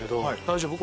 大丈夫？